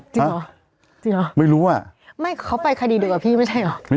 จริงเหรอจริงเหรอไม่รู้อ่ะไม่เขาไปคดีเดียวกับพี่ไม่ใช่เหรอ